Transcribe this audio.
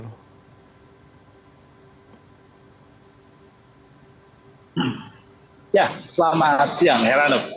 ya selamat siang heranuk